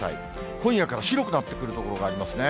今夜から白くなってくる所がありますね。